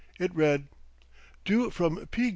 It read: "Due from P.